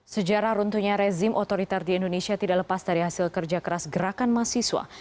sejarah runtuhnya rezim otoriter di indonesia tidak lepas dari hasil kerja keras gerakan mahasiswa